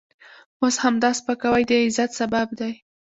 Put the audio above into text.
اوس همدا سپکاوی د عزت سبب دی.